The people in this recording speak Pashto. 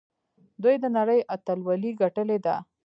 دوی د نړۍ اتلولي ګټلې ده.